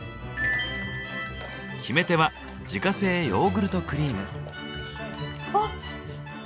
決め手は自家製ヨーグルトクリーム。